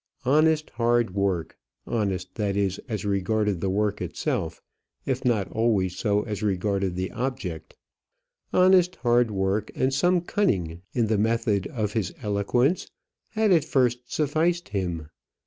Honest hard work honest, that is, as regarded the work itself, if not always so as regarded the object. Honest hard work, and some cunning in the method of his eloquence, had at first sufficed him.